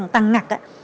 tăng ngặt ấy